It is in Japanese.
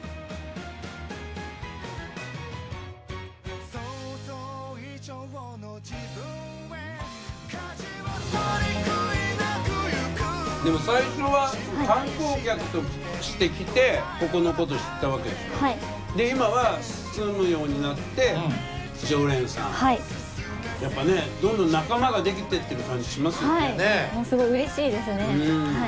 このタルトもねでも最初は観光客として来てここのこと知ったわけでしょで今は住むようになって常連さんはいやっぱねどんどん仲間ができてってる感じしますよねもうすごい嬉しいですね